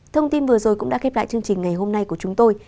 thông tin vừa rồi cũng đã kết thúc chương trình ngày hôm nay của chúng tôi